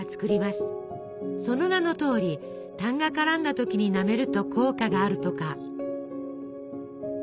その名のとおりたんが絡んだ時になめると効果があるとか。